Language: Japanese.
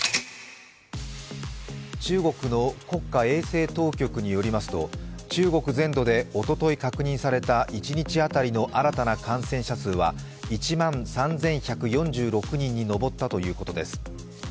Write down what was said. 中国の国家衛生当局によりますと中国全土でおととい確認された一日当たりの新たな感染者数は１万３１４６人に上ったということです